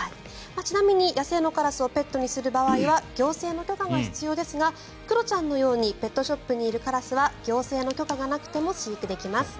ちなみに野生のカラスをペットにする場合は行政の許可が必要ですがクロちゃんのようにペットショップにいるカラスは行政の許可がなくても飼育できます。